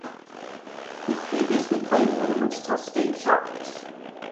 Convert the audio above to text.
He previously played for the Wichita State Shockers.